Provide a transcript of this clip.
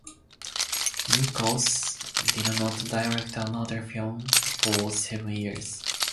Nichols did not direct another film for seven years.